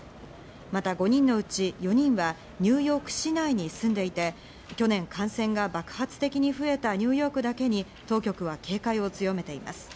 また５人のうち４人はニューヨーク市内に住んでいて、去年、感染が爆発的に増えたニューヨークだけに、当局は警戒を強めています。